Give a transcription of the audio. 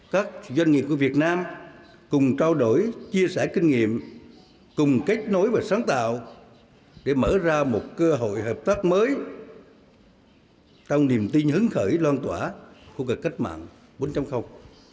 các doanh nghiệp của việt nam cùng trao đổi chia sẻ kinh nghiệm cùng kết nối và sáng tạo để mở ra một cơ hội hợp tác mới trong niềm tin hứng khởi loan tỏa của cuộc cách mạng bốn